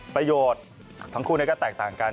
ประโยชน์ทั้งคู่ก็แตกต่างกัน